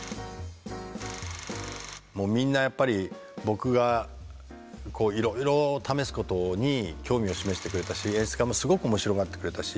もうみんなやっぱり僕がいろいろ試すことに興味を示してくれたし演出家もすごく面白がってくれたし。